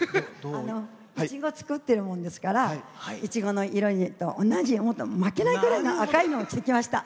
いちご作ってるもんですからいちごの色に負けないぐらいの赤いのを着てきました。